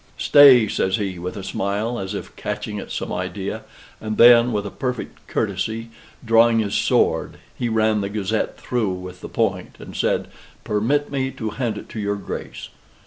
"Stay," says he, with a smile, as if catching at some idea, and then, with a perfect courtesy, drawing his sword, he ran the Gazette through with the point, and said, "Permit me to hand it to your Grace."